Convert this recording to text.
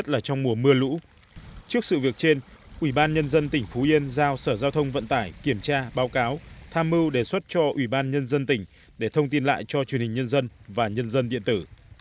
phó chủ tịch ubnd giao sở giao thông vận tải kiểm tra báo cáo tham mưu đề xuất cho ubnd tỉnh để thông tin lại cho truyền hình nhân dân và nhân dân điện tử